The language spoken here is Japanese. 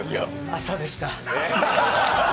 朝でした。